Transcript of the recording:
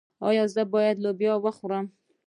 ایا زه باید لوبیا وخورم؟